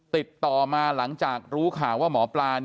ติดต่อมาหลังจากรู้ข่าวว่าหมอปลา